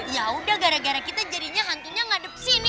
yaudah gara gara kita jadinya hantunya ngadep sini